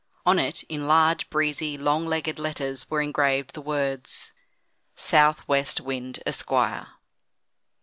On it, in large, breezy, long legged letters, were engraved the words: SOUTH WEST WIND, ESQUIRE.